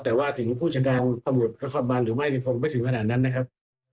แต่ว่าสิ่งผู้จังการลการความบาร์นหรือไม่พึงไปถึงขนาดนั้นนะครับ